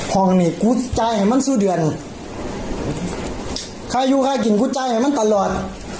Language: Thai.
ห้องนี้กูใจให้มันสู้เดือนใครอยู่ใครกินกูใจให้มันตลอด